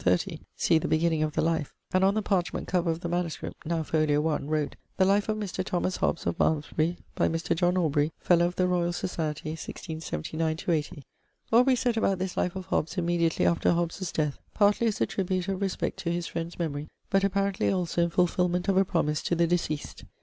30 (see the beginning of the life); and on the parchment cover of the MS. (now fol. 1) wrote: 'The life of Mr. Thomas Hobbes, of Malmsbury, by Mr. John Aubrey, Fellow of the Royall Societie, 1679/80.' Aubrey set about this Life of Hobbes immediately after Hobbes' death, partly as a tribute of respect to his friend's memory, but apparently also in fulfilment of a promise to the deceased.